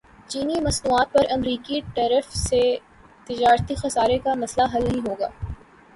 چینی مصنوعات پر امریکی ٹیرف سے تجارتی خسارے کا مسئلہ حل نہیں ہوگا